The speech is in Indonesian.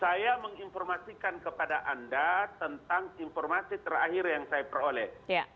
saya menginformasikan kepada anda tentang informasi terakhir yang saya peroleh